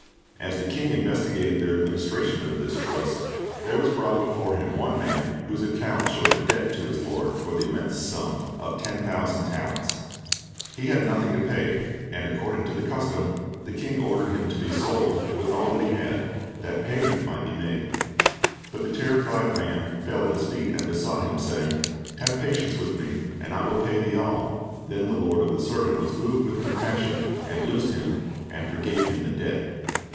As the king investigated their administration of this trust, there was brought before him one man whose account showed a debt to his lord for the immense sum of ten thousand talents. He had nothing Based on Matt. i8 : 21 35 ( ^43 ) 244 C Ji r i s t's Object Lessons to pay, and according to the custom, the king ordered him to be sold, with all that he had, that payment might be made. But the terrified man fell at his feet and besought him, saying, "Have patience with me, and I will pay thee all. Then the lord of that servant was moved with compassion, and loosed him, and forgave him the debt.